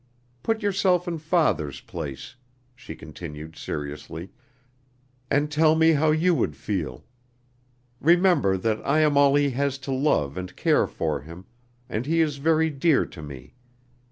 Put yourself in father's place," she continued seriously, "and tell me how you would feel. Remember that I am all he has to love and care for him, and he is very dear to me.